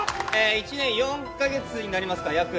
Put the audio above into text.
１年４か月になりますか約。